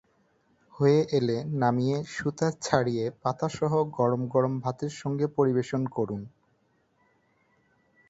হয়ে এলে নামিয়ে সুতা ছাড়িয়ে পাতাসহ গরম-গরম ভাতের সঙ্গে পরিবেশন করুন।